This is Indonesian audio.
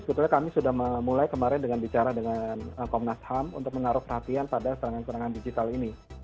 sebetulnya kami sudah memulai kemarin dengan bicara dengan komnas ham untuk menaruh perhatian pada serangan serangan digital ini